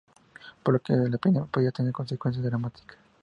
Por lo que una epidemia podría tener consecuencias dramáticas.